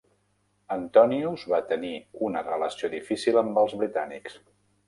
Antonius va tenir una relació difícil amb els britànics.